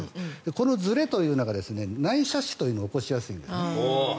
このずれというのが内斜視を起こしやすいんですね。